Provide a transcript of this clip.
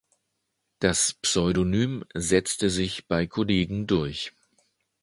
Das Pseudonym setzte sich bei Kollegen durch.